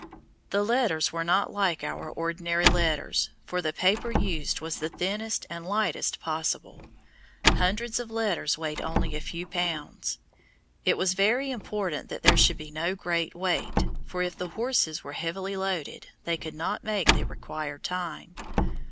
The letters were not like our ordinary letters, for the paper used was the thinnest and lightest possible. Hundreds of the letters weighed only a few pounds. It was very important that there should be no great weight, for if the horses were heavily loaded, they could not make the required time.